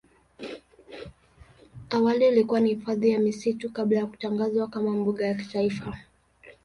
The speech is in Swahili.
Awali ilikuwa ni hifadhi ya misitu kabla ya kutangazwa kama mbuga ya kitaifa.